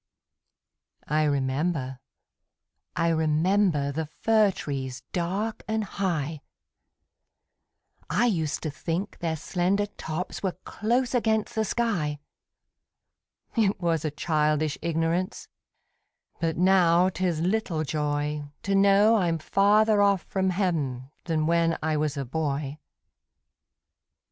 I remember, I remember, The fir trees dark and high; I used to think their slender tops Were close against the sky: It was a childish ignorance, But now 'tis little joy To know I'm farther off from Heav'n Than when I was a boy.